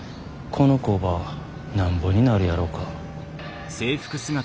この工場なんぼになるやろか。